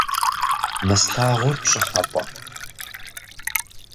Мы слъагъур пщӏыхьэпӏэ?